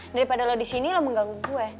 daripada lo di sini lo mengganggu gue